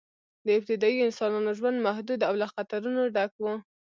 د ابتدایي انسانانو ژوند محدود او له خطرونو ډک و.